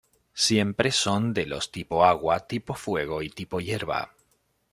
Siempre son de los tipo agua, tipo fuego y tipo hierba.